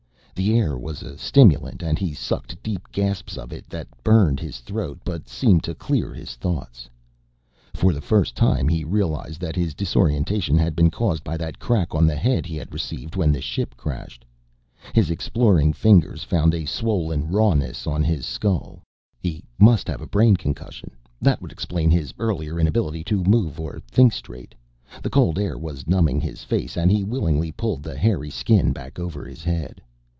The air was a stimulant and he sucked deep gasps of it that burned his throat but seemed to clear his thoughts. For the first time he realized that his disorientation had been caused by that crack on the head he had received when the ship crashed; his exploring fingers found a swollen rawness on his skull. He must have a brain concussion, that would explain his earlier inability to move or think straight. The cold air was numbing his face and he willingly pulled the hairy skin back over his head.